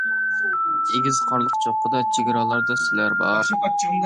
ئېگىز قارلىق چوققىدا، چېگرالاردا سىلەر بار.